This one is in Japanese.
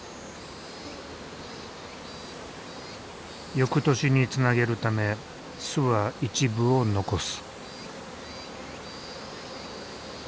翌年につなげるため巣は一部を残す。